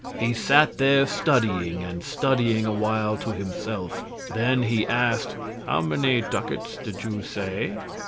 He sat there studying and studying awhile to himself; then he asked: "How many ducats did you say?"